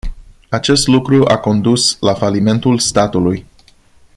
Acest lucru a condus la falimentul statului.